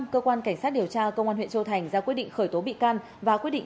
cơ quan cảnh sát điều tra công an huyện châu thành ra quyết định khởi tố bị can và quyết định